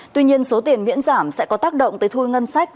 tuy nhiên số tiền miễn giảm sẽ có tác động tới thu ngân sách